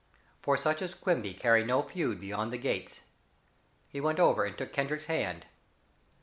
For such as Quimby carry no feud beyond the gates. He went over and took Kendrick's hand.